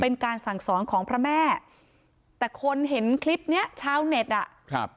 เป็นการสั่งสอนของพระแม่แต่คนเห็นคลิปเนี้ยชาวเน็ตอ่ะครับ